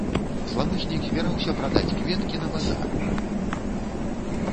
Зламыснік збіраўся прадаць кветкі на базары.